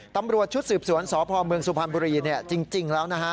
ตำรวจชุดสืบสวนสภมสุพรรณบุรีจริงแล้ว